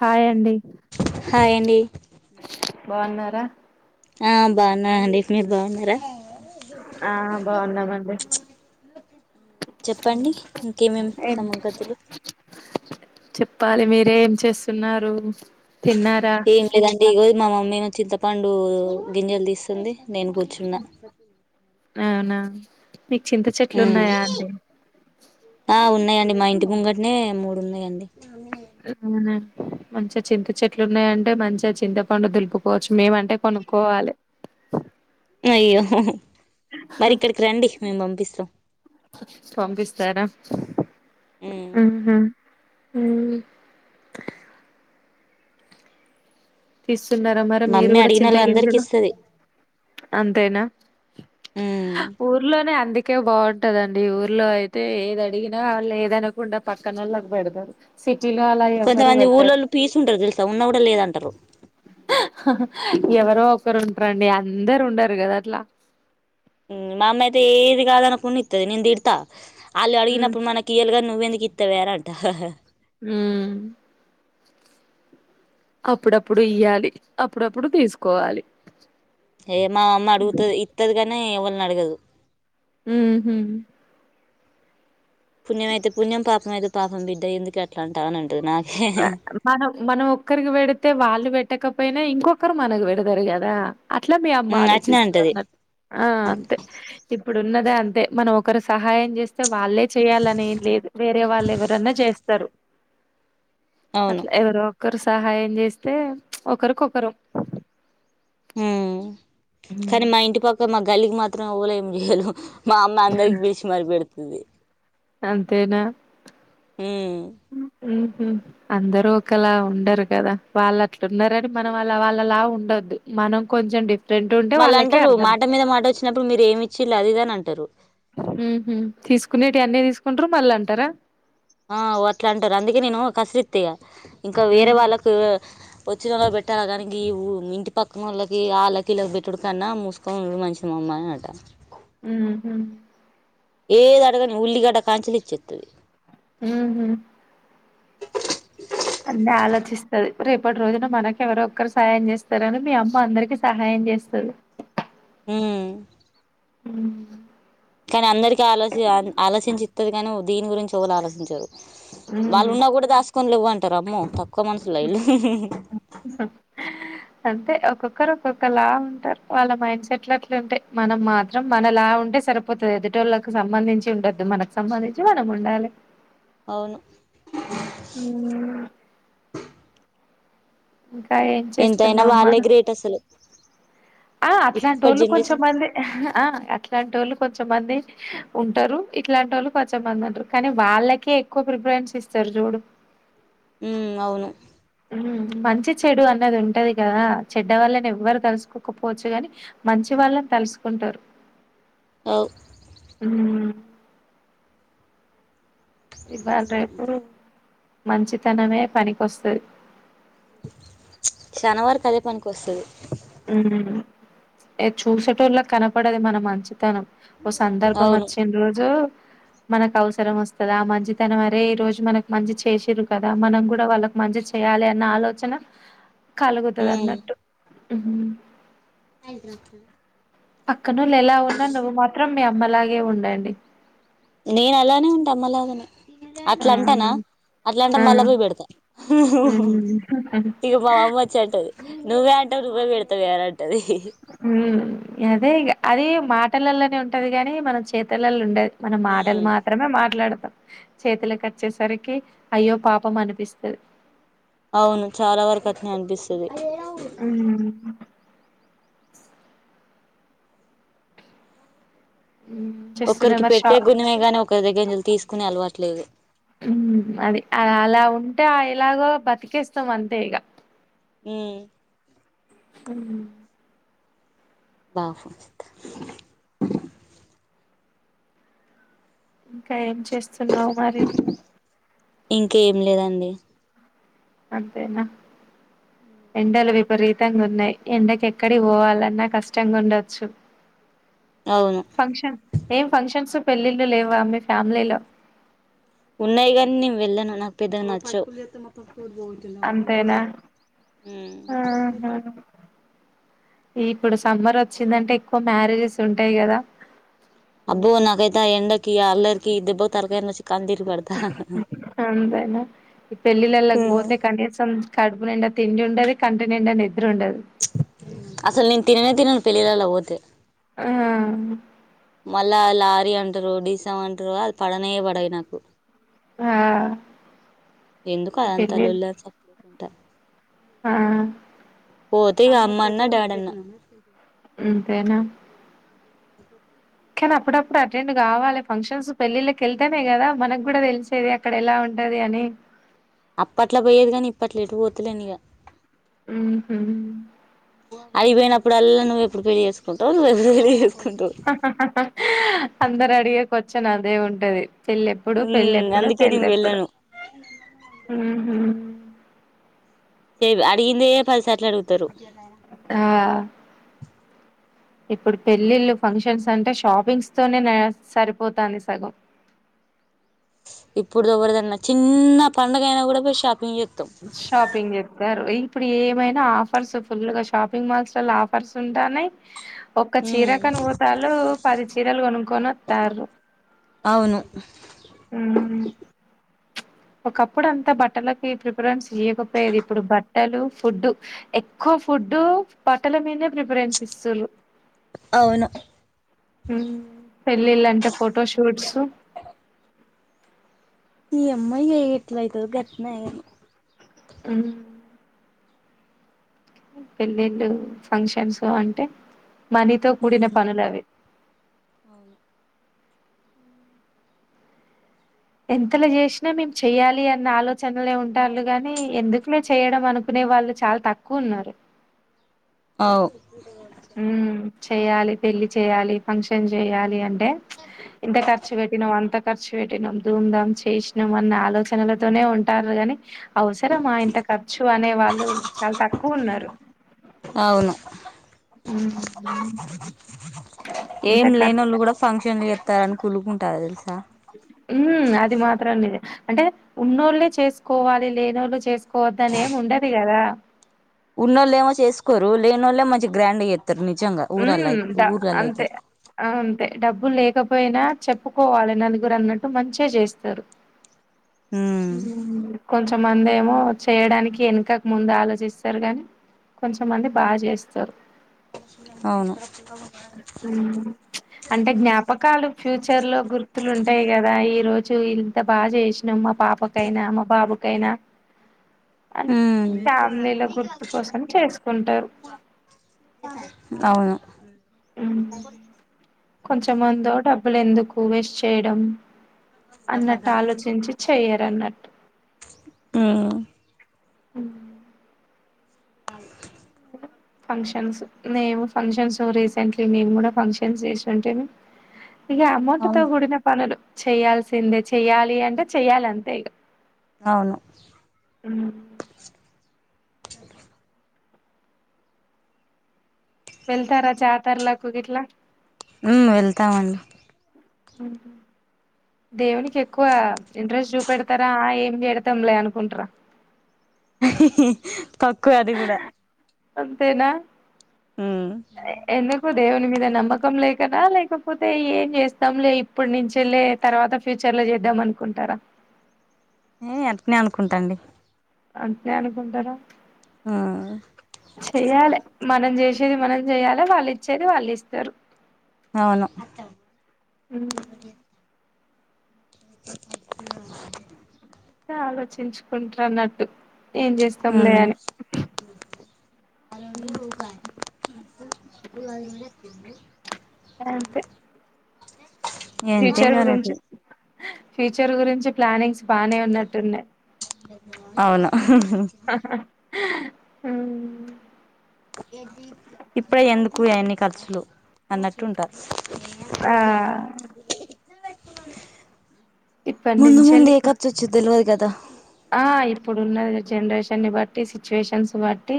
Hi అండి hi అండి బాగున్నారా ఆ బాగున్న అండి ఇప్పుడు మీరు బాగున్నారా ఆ బాగున్నామండి చెప్పండి ఇంకేమేమి ఏం సంగతులు చెప్పాలి మీరేం చేస్తున్నారు తిన్నారా ఏం లేదండి ఇగోది మా మమ్మీ చింతపండు గింజలు తీస్తుంది నేను గూర్చున్నా అవునా మీకు చింత చెట్లు ఉన్నాయా అండి ఆ ఉన్నాయండి మా ఇంటి ముంగటనే మూడు ఉన్నాయండి క్ ఉ మంచిగ చింత చెట్లు ఉన్నాయంటే మంచిగా చింతపండు దులుపుకోవచ్చు మేమంటే కొనుక్కోవాలి అయ్యో హ్హ్ హో మరి ఇక్కడికి రండి మేము పంపిస్తం పంపిస్తారా ఉమ్ ఉహు ఊ తీస్తున్నరా మరి మీరు మమ్మీ గూడా అడిగిన చింత వాళ్ళ అందరికి గింజలు ఇస్తది అంతేనా ఉమ్ ఊర్లోనే అంది కే బాగుంటందండి ఊర్లో అయితే ఏది అడిగినా వాళ్ళు లేదనకుండా పక్కనళ్ళకి పెడతరు సిట్ కొంతమంది ఊళ్ళోళ్ళు పీసుంటరు తెలుసా ఉన్న గూడా లేదంటరు హొ ఎవరో ఒకరు ఉంటరండి అందరు ఉండరు గదా అట్లా మ్ మామ్మయితే ఏదిగాదన కుని ఇత్తది నేన్ తిడతా ఆళ్ళు అడిగినప్పుడు మనకియలుగని నువ్వెందుకు ఇత్తవే అంట ఉమ్ అప్పుడప్పుడు ఇయ్యాలి అప్పుడప్పుడు తీసుకోవాలి ఏ మా అమ్మ అడుగుతది ఇత్తది గనే ఎవళని అడగదు ఉహు పుణ్యమ అయితే పుణ్యం పాపం అయితే పాపం బిడ్డ ఎందుకు అట్లా అంటా అని అంటది నా మనం మనం ఒక్కరికి పెడితే వాళ్ళు పెట్టకపోయినా ఇంకొ కరు మనకు పెడతరు గదా అట్లా మీ అమ్మ అట్నే ఆలోచిస్త అంటది అన్నట్ ఆ అంతే ఇప్పుడున్నది అంతే మనం ఒకరు సహాయం చేస్తే వాళ్ళే చేయ్యాలనేం లేదు వేరే వాళ్ళు ఎవరన్నా చేస్ స్తరు అవును అట్ల ఎవరో ఒక్కరు సహాయం చేస్తే ఒకరికొకరం ఉమ్ కాని మా ఇంటి పక్క మా గల్లికి మాత్రం ఎవలు ఏమి జేయలు మా అమ్మ అందరికి బిలిశి మరీ బెడుతది అంతేనా ఉహు అందరూ ఒకలా ఉండరు గదా వాళ్ళు అట్లున్నారని మనం వాళ్ళలా ఉండొద్దు మనం కొంచం డిఫ్ మళ్లంటరు మాట మీద మాట వచ్చినప్పుడు మీరు ఏమి ఇచ్చిళ్ళు అది ఇదని అంటరు ఉహు తీసుకునేటియి అన్నీ తీసుకుంటరు మళ్ళీ అంటరా ఆ అట్లా అంటరు అందుకే నేను కసరిత్త ఇగ వేరే ఉమ్ వాళ్ళకు పొచ్చినోళ్లకు పెట్టాలి గనీ గీ ఊ ఇంటి పక్క నోళ్ళకి ఆళ్ళకిీళ్ళకి పెట్టటుడు కన్నా మూసుకొనుండుడు మంచిది మామ్ మరెనట ఉహు ఏది అడగని ఉల్లిగడ్డ కాంచలి ఇచ్చేత్తది ఉహు అన్నీ ఆలోచిస్తది రేపటి రోజున మనకు ఎవరోక్కరు సహాయం చేస్తరని మీ అమ్మ అందరికీ సహాయం జేస్తరు ఉ ఉ కానీ అందరిక ఆలోచ ఆలోచించి ఇత్తది గానీ దీని గురించి ఒకళ ఆలోచించారు వాళ్ళు ఉమ్ ఉన్నా గూడా దాసుకొని లేవ్వంటారు అమ్మో తక్కువ మనసుులు ఇలు అంతే ఒక్కొక్కరు ఒక్కొక్క లా ఉంటారు వాళ్ళ మైండ్ సెట్లంటేయి మనం మాత్రం మన లా ఉంటే సరిపోతది ఎదుటోళ్ళకి సంబంధించి ఉండద్దు మనకు సంబంధించి మనం ఉండాలి అవును ఊమ్ ఏం ఎంతయినా చేస్తున్నావు మన వాళ్ళే గ్రేట్ అసలు ఆ ఇప్పటి అట్లాంటోళ్ళు జనరేషన్ కొంచెంమంది ఆ అట్లాంటోళ్ళు కొంచమంది ఉంటారు ఇట్లాంటి వాళ్ళు కొంచెమందుం టరు కానీ వాళ్ళకే ఎక్కువ ప్రిఫరెన్స్ ఇస్తారు త జడు ఉ అవును మంచి చెడు అన్నది ఉంటది కదా చెడ్డ వల్లని ఎవ్వరు తలుసుకోకపోవచ్చు కాని మంచి వాళ్ళని తలుసుకుంటారు అవు ఇవాళ రేపు మంచితనమే పనికొస్తది శానవరుకి అదే పనికొస్తుది ఉ ఏ చూసేటల్ల కనపడది మనం మంచిది తనం ఓ సందర్భం అవును వచ్చిన రోజు మనకు అవసరం వస్తదా ఆ మంచి తన వరే ఈ రోజు మనకి మంచి చేసిరు కదా మనం కూడా వాళ్ళకు మ మంచి చేయాలి అన్న ఆలోచన కలుగుతది అన్నట్టు రాక్కడా క్కనోళ్లు ఎలా ఉన్నా నువ్వు మాత్రం మీ అమ్మలాగే ఉండండి నేనలానే ఉంటే అమ్మలాగానే ఆ అట్లంటనా అట్లా అంటే ఆ మళ్ల పోయి పెడతా ఉమ్ ఇగ మా అమ్మ వచ్చి అంటది నువ్వే అంటావు నువ్వే పెడతావ అంటది అదే ఇగ అది మాటలలోనే ఉంటది గాని మన చేతులలో ఉండేది మన మాటలు ఉమ్ మాత్రమే మాట్లాడతాం చేతులకొచ్చేసరికి అయ్యో పాపం అనిపిస్తుంది అవును చాలా వరకు అట్లనే అనిపిస్తది ఉమ్ చేస్తున్నా ఒకరికి మరి షా పెట్టే గుణమే గాని ఒకరి దగ్గంజలు తీసుకుని అలవట్లేదు అది అలా ఉంటే ఆ ఇలాగో బతికేస్తాం అంతే ఇక ఉ ఉ బా ఫచత ఇంకా ఏం చేస్తున్నావు మరి ఇంకా ఏం లేదండి అంతేనా ఎండలోవి విపరీతంగున్నాయి ఎండకి ఎక్కడి పోవాలన్నా కష్టంగా ఉండొచ్చు అవును ఫంక్షన్ ఏం ఫంక్షన్స్ పెళ్ళిళ్ళు లేవా మీ ఫ్యామిలీలో ఉన్నాయి కాని నేను వెళ్ళాను నాకు పెద్దగా నచ్చవు మ మొత్తం కూ పో అంతేనా అన్నది కా ఆహా ఇప్పుడు సమ్మరొచ్చిందంటే ఎక్కువ మ్యారేజెస్ ఉంటాయి కదా అబ్బో నాకైతా ఆ ఎండకి అల్రికి ఇద్దెబ్బ తరకని వచ్చి కందర్బడతా అంతేనా ఈ పెళ్ళిళ్ళళకి పోతే కనీసం కడుపు నింండ తిండి ఉండది కంటి నిండ నిద్ర ఉండదు అసలు నేను తిననే తినను పెళ్లిలలో పోతే ఆ మళ్ళా లారీ అంటారు డీసం అంటారు అ పడనయ పడాయి నాకు ఆ ఎందుకు అదంతాలోళ చెప్పలేకుంట హా పోతే ఇగ అమ్మన్న డాడీ అన్న ఇంతేన కానీ అప్పుడప్పుడు అటెండ్ కావాలె ఫంక్షన్స్ పెళ్ళిళ్ళకి వెళ్తేనే కదా మన క్కూడ తెలిసేది అక్కడ ఎలా ఉ ఉంటది అని అప్పట్లా పోయేది కానీ ఇప్పట్లో ఎటు పోతులేం ఇక ఊహు అగిపోయినప్పుడల్లా నువ్వు ఎప్పు పెళ్లి చేసుకుంటవ్ నువ్వు ఎప్పు చేవు అందరు అడిగే కొచ్చెను అదే ఉంటది చెల్లెప్పుడు ఉమ్ పెళ్ళెప్పుడు అందుకే నేను పెళ్ళెప్పుడు వెళ్ళను ఊహు అ సే అడిగిందె పదిసట్లు అడుగుతారు ఆ ఇప్పుడు పెళ్ళిళ్ళు ఫంక్షన్స్ అంటే షాపింగ్స్ తోనేయ్ సరిపోతుంది సగం ఇప్పుడు ఎవరిదన్న చిన్న పండుగ అయినా కూడ పోయి షాపింగ్ చే షాపిింగ్ చేస్తారు. ఈ ఇప్పుడు ఏమైన ఆఫర్స్ ఫుల్గా షాపింగ్ మాల్స్ లల్లో ఆఫర్స్ ఉంటానేయి ఒక్క చీర ఉమ్ కని పోతాలు పది చీరలు కొనుక్కొని వస్తారు అవును ఉమ్ ఒకప్పుడు అంతా బట్టలకి త ప్రిఫరెన్స్ లేకపోయేది ఇప్పుడు బట్టలు ఫుడ్ ఎక్కువ ఫుడ్డు బట్టల మీద ప్రిఫ ప్రిఫరెన్స్ ఇస్తరు అవును పెళ్ళిళ్ళంటే ఫోటోషూట్స్ ఈ అమ్మాయి ఎట్లయితదో గట్నె అయి అమ్ పెళ్ళిళ్ళు ఫంక్షన్స్ అంటే మనీతో కూడిన పనులు అవిే అవును ఎంతలో చేసిన మేమ్ చెయ్యాలి అన్న ఆలోచనలే ఉంటారులు గానీ ఎందుకులో చేయడం అనుకునే వాళ్ళు చాల తక్కువ ఉన్నారు అవు మ్ చెయాలి పెళ్లిి చేయాలి ఫంక్షన్ చేయాలి అని అంటే ఇంత ఖర్చు పెట్టినవ్ అంత ఖర్చు పెట్టినాం ధూమ్ధామ్ చేసినాం అన్న ఆలోచనలతోనే ఉంటారు గాని అవసరమా ఇంత ఖర్చు అనే వాళ్ళు చాల తక్కువ ఉన్నారు అవును ఇంత ఏం ఖర్ లేనోళ్ళు కూడ ఫంక్షన్ ఇంక ఎన్ని చెత్తారని కుల్లుకుంటారుా తెలుసా ఉమ్ అది మాత్రం లేదు అంటే ఉన్నోళ్లె చేసుకోవాలి లేనోళ్ళు చేసుకోవద్దని ఏం ఉండది కదా ఉన్నోల్లేమో చేసుకోరు లేని ఒల్లె మంచిగా గ్రాండ్ చేస్తారు నిజంగా ఊరల్ల ఉమ్ అయితే ఊర్లల్ల అయితే అంతే డ అంతే డబ్బు లే కపోయినా చెప్పుకోవాలె నలుగురు అన్నట్టు మంచిేగ చేస్తారు ఉమ్ కొంచ్ కొంతమందేమో చేయడానికి వెనకక ముందు ఆలోచిస్తారు గాని కొంచమంది బాగ చేస్తారు అవును అంటే జ్ఞాపకాలు ఫ్యూచర్ లో గుర్తు లుంటాయి కదా ఈ రోజు చు ఇంత బాగా చేసినాం మా పాపకైనా మా బాబుకైనా అద ఉమ్ ఫ్యామ్లీలో గుర్తు కోసం చేసుకుంటారు అవును కొంచెంమంద డబ్బులు ఎందుకు వేస్ట్ చేయడం అన్నట్టు చెయరన్నట్టు ఉమ్ హ్మ్ ఇ అ ఫంక్షన్స్ నేము ఫంక్షన్స్ రీసెంట్లీ మేము కూడా ఫంక్షన్స్ చేసి ఉంటే ఇక అమౌంట్ తో అవును కూడిన పనులు చెయయాల్సిందే చెయ్యాలి అంటే చెయ్యాలి అంతే ఇక అవును వెళ్తారా జతర్లకు ఇట్లా ఉ వెళ్తామండి ఉం దేవునికి ఎక్కువ ఇంట్రెస్ట్ చూపెడతారా ఏం చేడతాం లే అనుకుంటార తక్కువ అది కూడా అంతేనా ఉమ్ ఎన్న కొ దేవుని మీద నమ్మకం లే కదా లేకపోతే ఏం చేస్తాం లే ఇప్పటి నుంచ లే తర్వాత ఫ్యూచర్ లో చేద్దాం అనుకుంటారా ఏ అట్నే అనుకుంటాండి అంటే అనుకుంటరా ఉమ్ చెయాలి మనం చేసేది మనం చేయాలి వాళ్ళు ఇచ్చేది వాళ్ళు ఇస్తారు అవును హ్మ్ ఇ ప ఆలోచించుకుంటారు అన్నట్టు ఏం చేస్తాంలే అని అగా అంతే ఎంతే ఫ్యూచర్ ఇగ గురించి రొటీన్ ఫ్యూచర్ గురించి ప్లానింగ్స్ బనే ఉన్నటు వున్నాయ్ అవును ఉహ్ ఇప్పుడే ఎందుకు అవన్ని ఖర్చులు అన్నట్టు ఉంటారు ఆ ఏూజిన ఇప్పటి ముందు ముందు నుంచెల్లి ఏ కర్ చ వచ్చిదిలి అది కదా ఆ ఇప్పుడు ఉన్నది జనరేషన్ని బట్టి సిచ్యువేషన్స్ బట్టి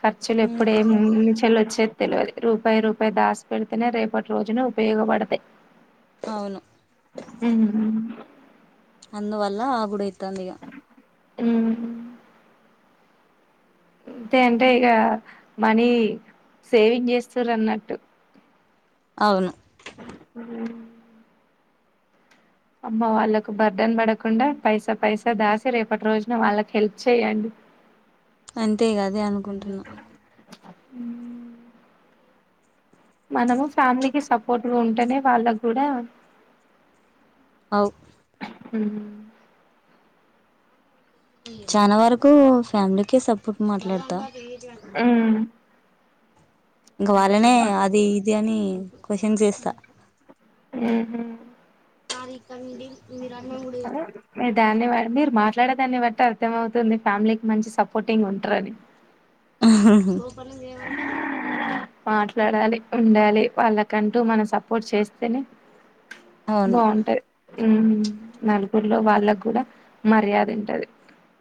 ఖర్చులు ఉమ్ ఎప్పుడే ము చెలు వచ్చే తెలియదు రూపాయి రూపాయి దాసి పెడితేనే రేపటి రోజున ఉపయోగపడతాయి అవును హ్మ్ ఉం అందువల్ల ఆగుడైతుంది ఇక ఉం అంతే అంటే ఇక మనీ సేవింగ్ చేస్తారు అన్నట్టు అవును ఉ అమ్మ వాళ్ళకు బర్డన్ పడకుండా పైసా పైసా దాసి రేపటి రోజున వాళ్ళకి హెల్ప్ చెయండి అంతే ఇగా అనుకుంటున్నా హ మనము ఫ్యామిలీకి సపోర్ట్గా ఉంటేనే వాళ్ళకి కూడా అవును హుమ్ చాలా వరకు ఫ్యామిలీకే సపోర్ట్ మాట్లాడతా ఇంక వాళ్ళనే అది ఇది అని క్వశ్చన్ చేస్తా ఉహ్ సారీ కాండీ మీరు అన్నం కూడా అదే తెచ్చు మీరు దాన్ని మీరు మాట్లాడేదాన్ని బట్టి అర్థం అవుతుంది ఫ్యామిలీకి మంచి సపోర్టింగ్ ఉంటరని మాట్లాడాలి ఉండాలి వాళ్ళకంటూ మనం సపోర్ట్ చేస్తేనే అవును బాగుంటది హ్మ్మ్ నలుగురిలో వాళ్ళకు కూడా మర్యాద ఉంటది